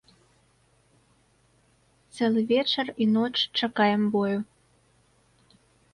Цэлы вечар і ноч чакаем бою.